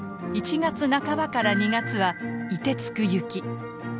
１月半ばから２月は「凍てつく雪」。